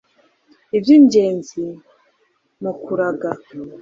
ibyingenzi mu kuraga